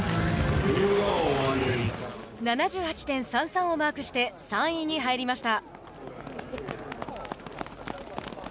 ７８．３３をマークして３位に入りました。